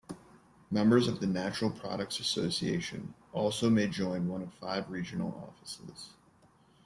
Members of the Natural Products Association also may join one of five regional offices.